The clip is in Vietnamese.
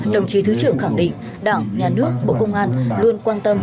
đồng chí thứ trưởng khẳng định đảng nhà nước bộ công an luôn quan tâm